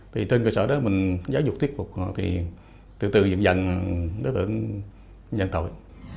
trên cơ sở đó giáo dục tiếp tục từ từ dựng dành đối tượng nhận tội